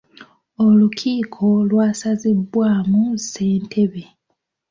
Olukiiko lwasazibwamu ssentebe.